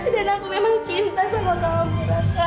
dan aku memang cinta sama kamu raka